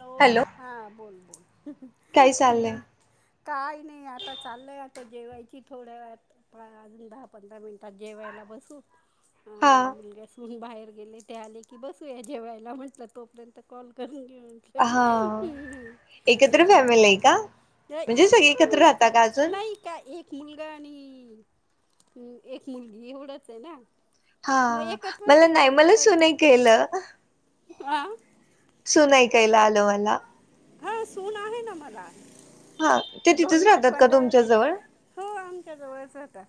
Hello, हा बोल बोल, काय चाललंय काय नाही आता चाललंय जेवायची थोड्या वेळात, अजून दहा पंधरा मिनिटात जेवायला बसू. ह हा मुलग्या सूण बाहेर. गेले ते आले की बसूया जेवायला म्हटल तोपर्यंत कॉल करून घेऊ. हा ते एकत्र फॅमिली आहे का म्हणजे सगळे एकत्र म्हणजे राहता आता का अजून नाही का एक मुलगा आणि हम्म, एक मुलगी एवढंचे ना. हा मग एकत्रच मला आहे बा नाही पण मला सुन तरी ऐकेल. हा. सुन आयकायला आल मला. हा सून आहे ना मला. हा ते तिथेच दोन राहतात का नातवंडय. तुमच्या जवळ हो आमच्या जवळच राहता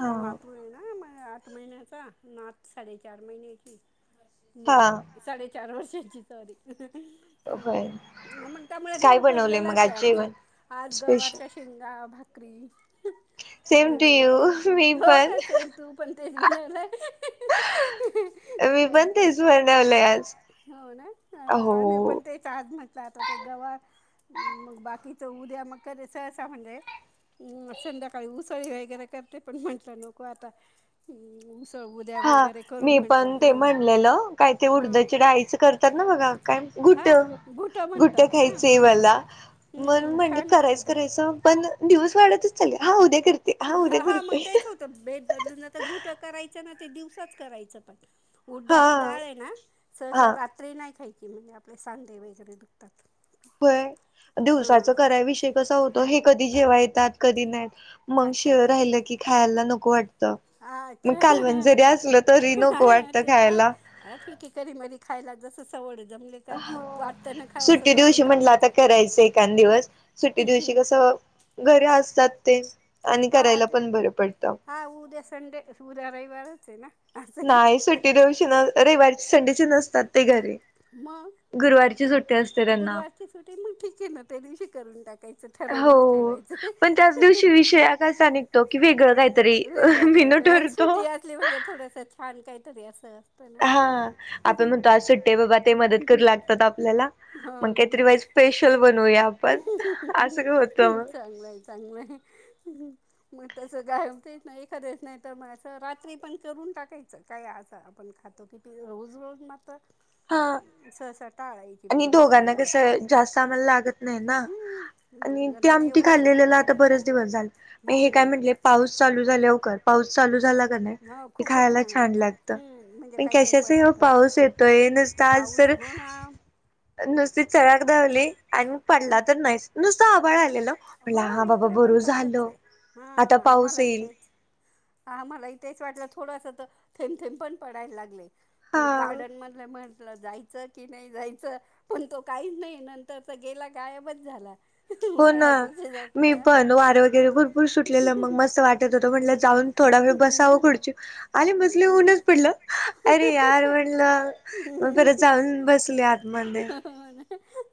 हा नातू ये ना म आठ महिन्याचा नात साडेचार महिन्याची. हा मुलगी साडे चार वर्षाची सॉरी. होय हम्म, मग त्यामुळे काय घर बनवलंय मग भरलेलंचे आज आमचं. जेवण आज स्पेशल गवारच्या शेंगा, भा करी. सेम टू यू मी हो पण का सेम तू पण तेच बनवलय मी छान- पण छान तेच बनवलंय आज हो ना आम्ही हो पण तेच आहात म गवार म बाकीचं उद्या म रसा म्हणजे संध्याकाळी उसळी वगैरे करते पण म्हणटल नको आता हम्म उस हा मी पण ते म्हणलेलं काय ते हां उडदाच्या डाळीच करतात ना बघा काय घुट हां घुटं घुट म्हणतात ना खायचंय हां हां मला. म्हणून हम्म, म्हटलं छान असतं करायचं ते करायचं पण दिवस वाढतच चाल्या हा उद्या करते हा उद्या हा मग करते तेच होतं बेद बदलून जात घुट करायचं ना ते दिवसाच करायचं पण. हा उडदाची डाळ आहे ना हा सहसा रात्री नाही खायची. नेहमी आपले सांधे वगैरे दुखतात. होय दिवसाच हां कराय विषय कसा होत हे कधी जेवाय येतात कधी नाय येत मग अच्छा शिळ अच्छा राहिलं की खायला न को वाट अच्छा तरी नको वाटतं ते तर खायला अ ठीक आहे की मदी खायला जस हा असं सुट्टी करून दिवशी म्हटलं आता टाकायचं करायचं एकांद दिवस सुट्टी दिवशी हम्म. कसं घरी असतात तेच आणि हा करायला आता पण बरं पडत हा उद्या संडे असं उद्या रविवारच आहे ना असंही नाही सुट्टी देऊशी नाय रविवाारी संडेचे नसतात ते घरी मग गुरुवारची सुट्टी असते त्यांना. गुरुवारची सुटी मग ठीक आहे ना त्यादिवशी करून टाकायची हो पण त्याच दिवशी विषया हा कसा निघतो की वेगळं काय वेगळं काहीतरी आणि सुटी असली म्हणजे थोडस छान काही तरी असं असतं ना. हा आपण म्हणतो आज सुट्टी आहे बाबा ते मदत करू लागतात आपल्याला मग हो ना. काहीतरी वाईस स्पेशल बनूया आपण असं का होत मग चांगलंय चांगलंय. मग तस जाऊ तेच नाही एखादे वेळेस नाही तर मग असं रात्री पण करून टाकायचं काय असं आपण खातो पिती रोज रोज मात हा मग आणि रात्री दोघांना खाणं कस जास्त आम्हाला लागत नाही ना हम्म आणि दोन ते जणांना आमटी एवढंस तर खाल्लेलं खाल्लं आता बरेच दिवस झाल हे काय हम्म म्हंटले पाऊस चालू झाला हो काय पाऊस चालू झाला हो खूपच खायला छान वाटतं लागत हम्म म्हणजे पण काही काही कशाचं ह्यो पदार्थ पाऊस येत काय नुसता आज पाऊस तर हो ना नुसती चरा दावली आणि हा पडला तर नाहीच नुसता वळण हो इकडे पण तसच आहे आता हा पाऊस आम्हाला ही येईल तेच आम्हाला ही तेच वाटलं थोडस थेम थेम पण पडायला लागलेत हा मग गार्डन मधले म्हण जायचं की नाही जायचं, पण तो काहीच नाही, नंतरचा गेला गायबच झाला. हो ना. उन्हाळ्यापेक्षा जास्त मी हा. पण वारे वगैरे भरपूर सुटलेलं, मग मस्त वाटत होत म्हणटलं हम्म. जाऊन थोडा वेळ बसावं, हम्म. कुढची आली बजली होऊनच पडलं अरे यार म्हणलं मग परत जाऊन बसले आतमध्ये. [unintelligible]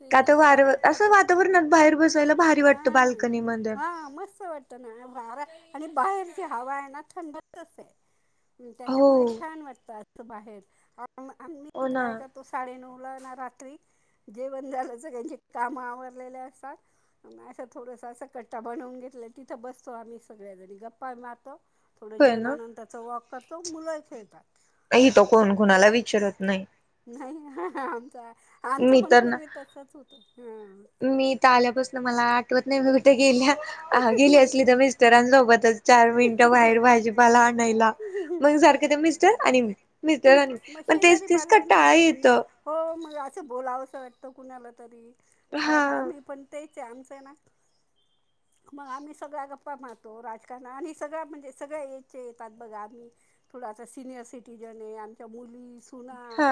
तेच ना काता वार छान वाटतं असं वातावरणात बाहेर. बसायला भारी हा वाटतं बाल्कनीमध्ये हा मस्त वाटत ना भारा. आणि बाहेर जी हवा आहे ना थंडच अस आहे. हो त्याच्यामुळे छान वाटतात. बाहेर. हो मी ना काय करतो साडेनऊ. रात्री जेवण झालं त्यांचे काम आवरलेले असतात. मग असं थोडस अस कट्टा बनवून घेतलं तिथं बसतो, आम्ही सगळ्याजणी गप्पा मारतो. थोडं होय ना जेवणानंतरचं वॉक. क तो मुलं खेळतात. नाही तो कोण कुणाला विचारत नाही. नाही आमचा [unintelligible] आमचं मी पण तर ना पूर्वी तसच होत. मी तर आल्यापासून. मला आठवत नाही मी कुठे गेल्या. हा गेली नाही असली का? तर मिस्टरांसोबतच चार मिनिटं हो बाहेर भाजीपाला आणायला, का मग सारखं ते मिस्टर आणि. ह मिस्टर आणि मी मग पण तेच शेजारी तेच पजारी कंटाळा नाहीये कुणी, येतं हो मग असं बोलावं असं वाटतं. कुणाला तरी. हा कारण आम्ही पण ते. आम् स ग् मारतो स म्हणजे सळेतात आ् [unintelligible] आच्या मुली [unintelligible] हा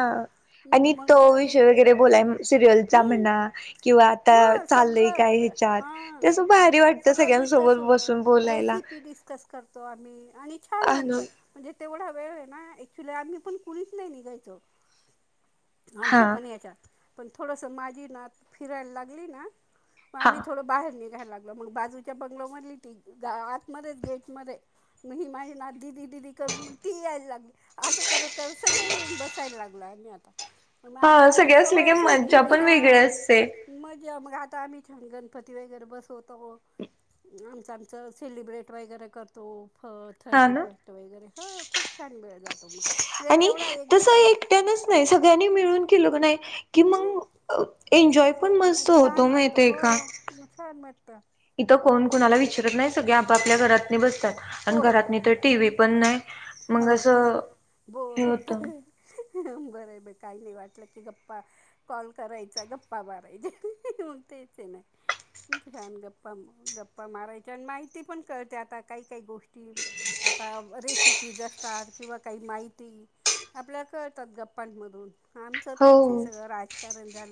आणि मग तो त्या ते विषय वगैरे बोलाय सिरियलचा हं, म्हणा किंवा आता ना चाललय, काय सगळं ह्याच्यात हां तेस भारी वाटत, सगळं डिस्कस सगळ्यांसोबत होतं बसून बोलायला, रेसिपी डिस्कस करतो आम्ही आणि छान अ वाटतं म्हणजे तेवढा वेळ आहे ना आम्ही पण कुणीच नाही निघायचो. हा आमच्या पण याच्यात. पण थोडस माझी नात फिरायला लागली ना. मग हा आम्हीथोड बाहेर निघलो. घ्यायला लागलं मग बाजूच्या बंगल मधली, ती आत मच गेट मध्ये मग ही माझी ना दिदी दिदी करून मग ती यायला लागली. असं करत कर सगळे येऊन बसायला लागलो आहे मी आता. मग आता हा आमला सगळे असले की सवयच होऊन मज्जा गेली पण वेगळी ह असते म मग आता आम्ही छान गणपती वगैरे बसवतो आमचं आमचं सेलिब्रेट वगैरे करतो हो हा थर्टी ना फर्स्ट वगैरे ह खूप छान वेळ जातो तुम आणि तसं एकट्यानच नाही सगळ्यांनी मिळून केलं नाही की हं? मांग एन्जॉय पण मस्त होतो माहितय का तर इथं कोण कुणाला विचारत नाही सगळे आपापल्या घरात बसतात आणि हो का? घरातनी तर टी व्ही पण नाही मग हो ना. असं हे बोर होत होतंय. बरं ब काही नाही वाटलं की गप्पा कॉल करायचा गप्पा मारायचा तेच नाही छान गप्पा गप्पा मारायच्या आणि माहिती पण कळते आता काही काही गोष्टी आता रेसिपीज असतात किंवा काही माहिती आपल्या कळतात गप्पांमधून आमचं तेच हो सगळं राजकारण झा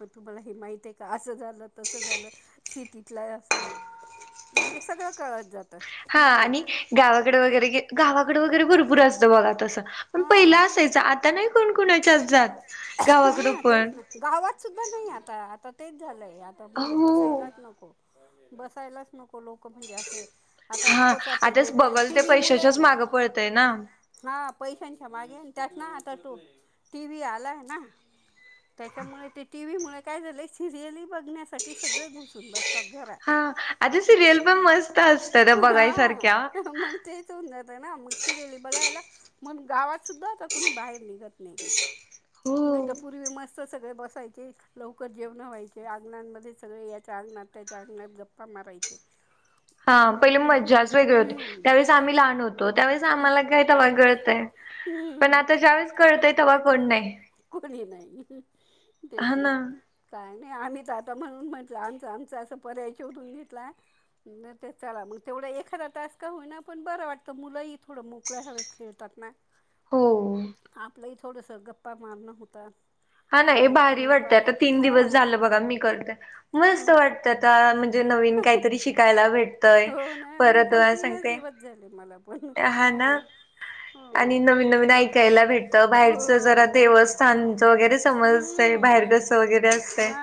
मग तुम्हाला हे माहित आहे का असं झालं तसं झालं सिटीतला असो म्हणजे सगळं कळत जातं हा हम्म आणि गावाकडे वगैरे गावाकडे वगैरे भरपूर असतं बघा तसं पण हा पहिला असायचं आता नाही कोण कोणाच्या जात गावाकड हा पण तेच ना गावात सुद्धा नाही आता आता तेच झालंय आता म्हणजे हो बसायलाच नको. बसायलाच नको लोक म्हणजे आसे हा आताच बघल ते पैशाच्याच आहे ना मागं पळतय ना च्या मागे त्यात ना आता तो टी. व्ही आलाय ना त्याच्यामुळे ते टी. व्ही मूळ काय झालंय सिरियल बघण्यासाठी सगळे घुसून बसतात घरात. [unintelligible] सिरीयल पण मस्त असतात हा बघायसारख्या. मग तेच होऊन जात ना मग सिरियली बघायला मग गावात सुुद्धा आता कुणी बाहेर निघत नाही हो. नाही तर पूर्वी मस्त सगळे बसायचे लवकर जेवणं व्हायचे अंगणामध्ये सगळे याच्या अंगणात त्याच्या अंगणात गप्पा मारायचे. हा पहिले हम्म, मज्जाच वेगळे होते हम्म, त्यावेळेस आम्ही लहान होतो त्यावेळेस आम्हाला काय तवा कळतय पण हम्म, आता ज्यावेेळेस कळतय तवा कोण नाही कोणीही नाही. तेच ना काय आणि आम्ही तर आता म्हणून म्हटलं आमचं आमच असा पर्याय शोधून घेतला तर ते चला मग तेवढा एखादा तास का होईना पण बरं वाटतं मुलंही थोडं मोकळ्या हवेत खेळतात ना हो थोडसं गप्प पा मारन होता हा ना हे भारी वाटतं आता तीन दिवस हो झालं बघा मी करतय हो मस्त वाटत आता म्हणजे नवीन काहीतरी शिकायला भेट तय हो ना मी परत पण तीनच सांगते दिवस झाले मला पण हा ना हो आणि नवीन नवीन ऐकायला भेटत बाहेरच हो जरा तेच ना देवस्थान वगैरे समजतय हम्म बाहेर कस वगैरे असतंय हा.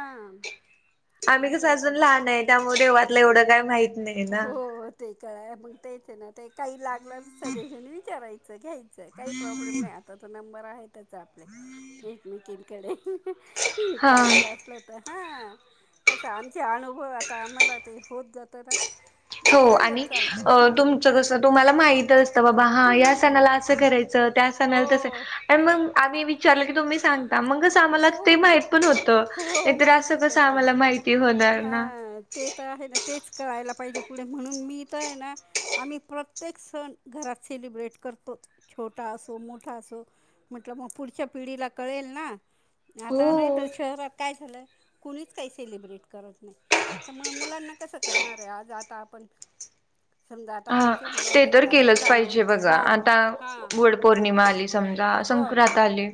आम्ही कसं आमच्या अजून याच्यात लहान आहे त्यामुळे देवातलं एवढं काय माहित नाही ना. हो ते कळाय मग तेच आहे ना ते काही लागत सजेशन विचारायचं घ्यायचं काही प्रॉब्लेम नाही आता बर आहेत एकमेकी कडे ह हा काही अस असलं तर हा कसं आमचे अनुभव आता आम्हाला ते होत जात ना मग हो सांगत आणि चालतो हा तुमच कस तुम्हाला माहित असतं बाबा हा या हम्म सणाला असं करायचं त्या हो सणाला तसं मग आम्ही विचारल की तुम्ही सांगता मगच आम्हाला ते हो माहित पण होतं हो नाही तर माहित असं होतं कसं ना आम्हाला माहिती होणार ना हा ते तर आहे ना तेच कळायला पाहिजे पुढे म्हणून मी तर आहे ना आम्ही प्रत्येक सण घरात सेलिब्रेट करतोच छोटा असो मोठा असो म्हटलं मग पुढच्या पिढीला कळेल ना आता नाही हो. तर शहरात काय झालंय कुणीच काही सेलिब्रेट करत नाही तर मुलांना कसं करणार आहे आज आता पण हा ते तर केलंच कानवले पाहिजे बघा हां आता हां वड पौर्णिमा आली समजा हो संक्रांत आली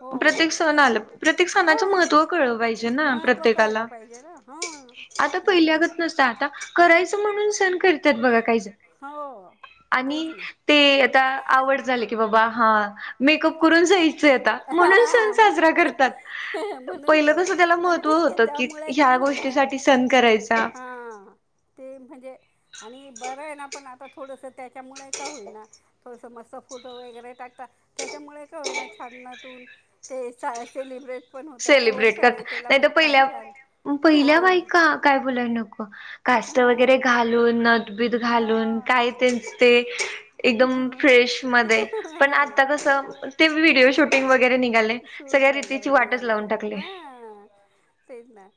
हो प्रत्येक सण प्रत्येक सणाचं हां महत्त्व कळ पाहिजे महत्त्व कळलं प्रत्येकाला पाहिजे ना हां आता मग पहिल्यागत नसतं करायचं म्हणून सन करतात बघा काही हो आणि तेच ना ते आवड झाली की बाबा हा मेकअप करून जायचं आता म्हणून सण मग साजरा करतात म्हणून पहिलं करता कसं त्याला पण महत्त्व ठीक आहे होतं की त्यामुळे ह्या होईना गोष्टीसाठी सण करायचा हां राहिना पण आता थोडस त्याच्यामुळे का होईल ना थोडस मस्त फोटो वगैरे टाकतात त्याच्यामुळे का होईना छाननातून ते सेलिब्रेट पण होतं आता वट सेलब्रेट कर सावित्रीला नाही बघ तर छान पहिल्या छान पहिल्या हां बायका काय बोलायला नको काष्टा वगैरे हां घालून नत घालून हां काय ते एकदम म्हणून फ्रेश मध्ये पण हां आता कस ते व्हिडिओ हं शूटिंग वगैरे निघाले सूट सगळ्या वगैरे रितीची वाट हा तेच ना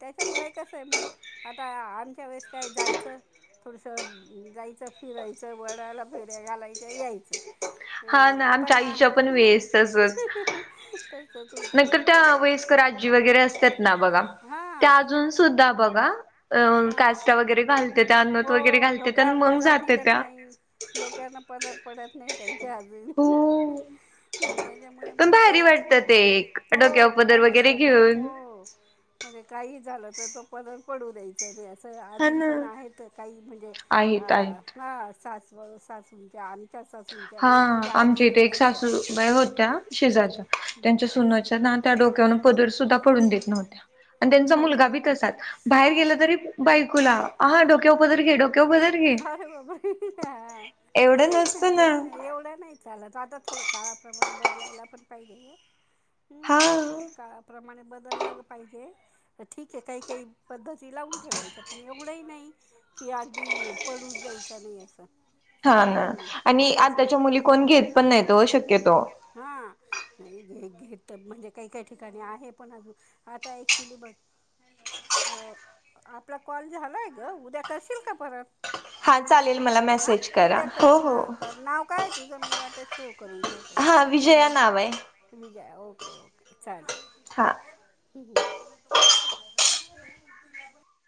त्याच्यामुळे कस आहे मग आता आमच्या वेळेस काय जायचं थोडसं जायचं फिरायचं वडाला फेऱ्या घालायच्या यायचं. हा अ ना आम पण हा ताईच्या पण वेळेस तसंच तसंच होतं नाहीतर मी त्या ते काय वयस्कर आजी वगैरे असतात ना बघा त्या हां अजून सुद्धा ब [unintelligible] अ हां काष्टा वगैरे घालते त्या अ नथ हो वगैरे घालते त्या आणि डोक्यावर मग पदर जाते निघत त्या. नाही डोक्यावरनं पदर पडत नाही त्यां हो त्याच्यामुळे पण मग भारी ते वाटतं ते एक डोक्यावर हो पदर छानच वगैरे वाटत घेऊन. हो. म्हणजे काही झालं तर तो पदर पडू द्यायचा [unintelligible] तर हा अजून ना. पण आहेत काही म्हणजे आहेत अ आहेत. ह साच [unintelligible] हा आमच्या इथे एक सासूबाई होत्या शेजाच्या त्यांच्या हम्म सुनच्या ना त्या डोक्यावरन पदर सुद्धा पडून देत नव्हत्या. आणि त्यांचा हो मुलगा का बी तसाच बाहेर गेलं तरी बायकुला हा डोक्याव पदर घे डोक अरे बाबा एवढं हा नसतं तेच ना एवढं नाही चालंत आता थोडं काळाप्रमा बदलायला पण पाहिजे हो. हा. हम्म काळा प्रमाणे बदललं पाहिजे ठीक आहे काही काही पद्धती लावून ठेवायच्या पण एवढंही नाही की अगदी पडूच द्यायचा नाही असं हा ना हम्म आणि तेच ना. आताच्या मुली कोण घेत पण नाही हो शक्यतो. हा नाही घे घेत म्हणजे काही काही ठिकाणी आहे पण अजून आता ऍक्च्युली बघ आपला कॉल झालाय ग उद्या करशील का परत. हा चालेल मला हा मेसेज करा. उद्या हो हो. त्याचेेव करून ठेवते हा मला विजया ना नाव आहे तुम्ही जा ओके ओके चालेल. हा हम्म मी टोमॅटो पण घ्यायला जाणार आहे मग तिला पण